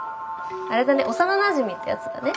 あれだね幼なじみってやつだね。